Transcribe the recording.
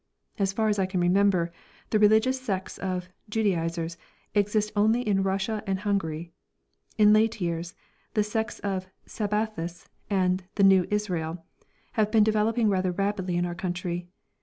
As far as I can remember, the religious sects of "judaizers" exist only in Russia and Hungary. In late years, the sects of "Sabbathists" and "The New Israel" have been developing rather rapidly in our country.